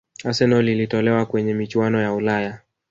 arsenal ilitolewa kwenye michuano ya ulaya